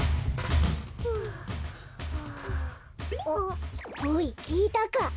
おいきいたか？